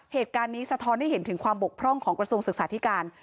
เหตุการณ์นี้สะท้อนให้เห็นถึงความบกพร่องของกระทรวงศึกษาธิการ